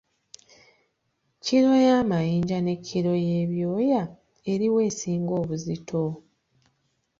Kkiro y’amayinja ne kkiro y’ebyoya eri wa esinga obuzito?